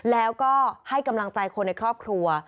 แล้วก็ให้กำลังใจคนในครอบครัว